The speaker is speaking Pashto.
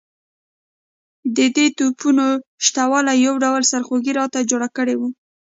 د دې توپونو شته والی یو ډول سرخوږی راته جوړ کړی وو.